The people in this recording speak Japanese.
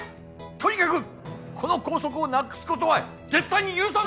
とにかくこの校則をなくす事は絶対に許さん！